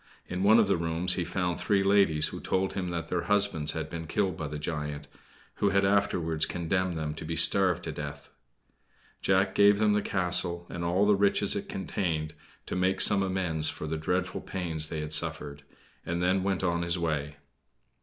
In one of the rooms he found three ladies who told him that their husbands had been killed by the giant, who had afterwards condemned them to be starved to death. Jack gave them the castle and all the riches it contained to make some amends for the dreadful pains they had suffered, and then went on his way.